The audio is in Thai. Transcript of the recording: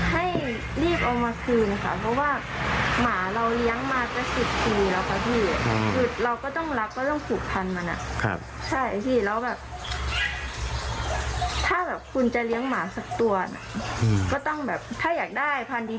ให้รีบเอามาคืนค่ะเพราะว่าหมาเราเลี้ยงมาก็สิบทีแล้วกันที